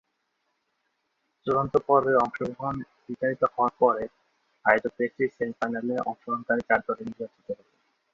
চূড়ান্ত পর্বে অংশগ্রহণ নির্ধারিত হওয়ার পরে আয়োজক দেশটি সেম-ফাইনালে অংশগ্রহণকারী চার দল হয়ে নির্বাচিত হতো।